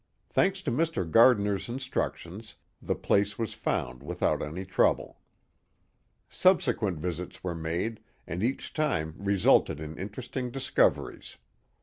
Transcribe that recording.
Thanks to Mr. Gardiner's instructions, the place was found without any trouble. Subsequent visits were made, and each time resulted in interesting discoveries.